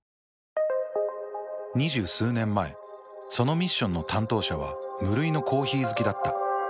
２０数年前そのミッションの担当者は無類のコーヒー好きだった。